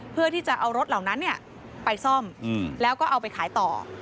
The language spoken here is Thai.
เพื่อที่จะเอารถเหล่านั้นไปซ่อมแล้วก็เอาไปขายต่อ